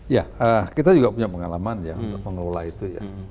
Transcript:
ya kita juga punya pengalaman ya untuk mengelola itu ya